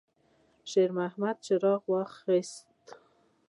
شېرمحمد څراغ واخیست.